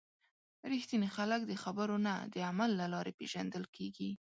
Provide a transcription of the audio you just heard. رښتیني خلک د خبرو نه، د عمل له لارې پیژندل کېږي.